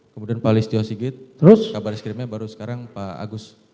kemudian pak listio sigit terus kabar skrimnya baru sekarang pak agus